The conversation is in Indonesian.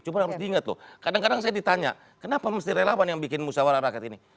cuma harus diingat loh kadang kadang saya ditanya kenapa mesti relawan yang bikin musawarah rakyat ini